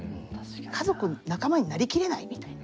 家族仲間になりきれないみたいな。